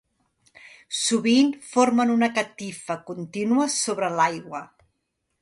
Sovint formen una catifa contínua sobre l'aigua.